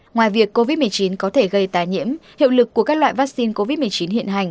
ngoài việc covid một mươi chín có thể gây tài nhiễm hiệu lực của các loại vaccine covid một mươi chín hiện hành